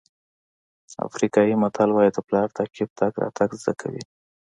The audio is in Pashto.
افریقایي متل وایي د پلار تعقیب تګ راتګ زده کوي.